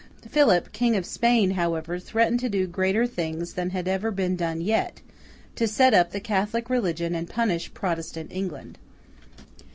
Philip, King of Spain, however, threatened to do greater things than ever had been done yet, to set up the Catholic religion and punish Protestant England.